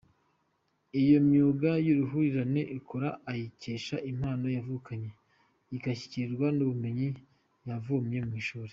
Iyo myuga y’uruhurirane akora ayikesha impano yavukanye igashyigikirwa n’ubumenyi yavomye mu ishuri.